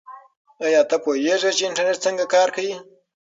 آیا ته پوهېږې چې انټرنیټ څنګه کار کوي؟